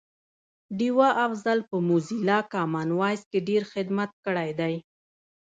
ډیوه افضل په موزیلا کامن وایس کی ډېر خدمت کړی دی